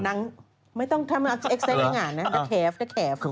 นางไม่ต้องทำเอ็กเซ็นต์ให้งานนะดักแข็ฟ